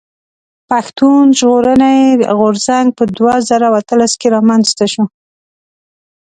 پښتون ژغورني غورځنګ په دوه زره اتلس کښي رامنځته شو.